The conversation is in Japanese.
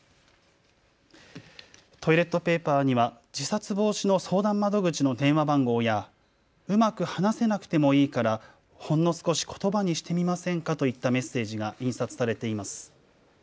トイレットペーパーには自殺防止の相談窓口の電話番号やうまく話せなくてもいいからほんの少しことばにしてみませんかといったメッセージが印刷されています。